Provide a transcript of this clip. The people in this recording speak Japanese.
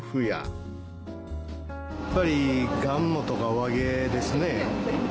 やっぱりがんもとかお揚げですね